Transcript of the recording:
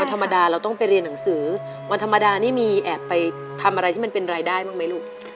ธรรมดาเราต้องไปเรียนหนังสือวันธรรมดานี่มีแอบไปทำอะไรที่มันเป็นรายได้บ้างไหมลูก